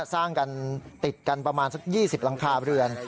สร้างกันติดกันประมาณสัก๒๐หลังคาเรือน